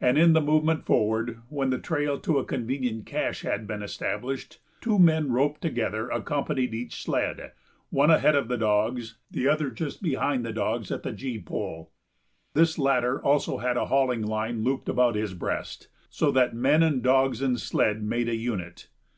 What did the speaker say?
And in the movement forward, when the trail to a convenient cache had been established, two men, roped together, accompanied each sled, one ahead of the dogs, the other just behind the dogs at the gee pole. This latter had also a hauling line looped about his breast, so that men and dogs and sled made a unit.